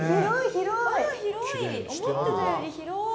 思ってたより広い。